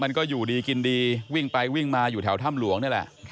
จริงวิ่งไปวิ่งมาอยู่แถวถ้ำห่วงเนี่ยแหละ